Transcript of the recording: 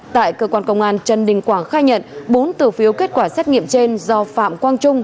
tại cơ quan công an trần đình quảng khai nhận bốn từ phiếu kết quả xét nghiệm trên do phạm quang trung